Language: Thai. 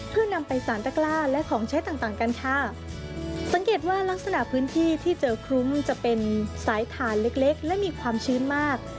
เพื่อนำไปสารตะกล้าและของใช้ต่างต่างกันค่ะสังเกตว่ารักษณะพื้นที่ที่เจอคลุ้มจะเป็นสายถ่านเล็กเล็กและมีความชื้นมาก